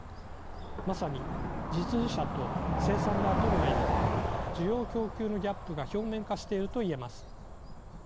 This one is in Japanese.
まさに実需者と生産側との間で需要供給のギャップが表面化していると言えます。